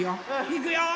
いくよ！